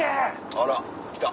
あら来た。